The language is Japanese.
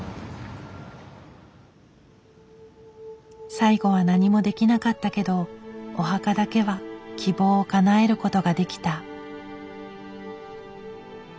最後は何もできなかったけどお墓だけは希望をかなえることができた。